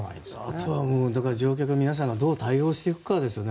あとは乗客の皆さんがどう対応していくかですよね。